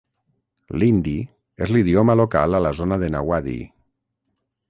L'hindi és l'idioma local a la zona de Nawadih.